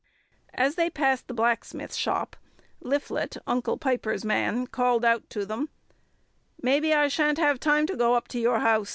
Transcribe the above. As they passed the blacksmith's shop, Liphlet, Uncle Piper's man, called out to them: "Mebbe I shan't have time to go up to your house.